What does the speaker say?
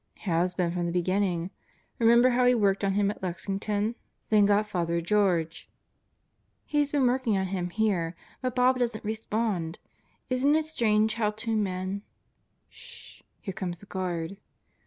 "Has been from the beginning. Remember how he worked on him at Lexington, then got Father George " "He's been working on him here, but Bob doesn't respond. Isn't it strange how two men " "Ssshl Here comes the guard."